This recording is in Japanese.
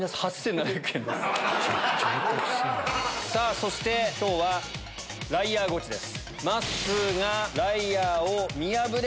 そして今日はライアーゴチです。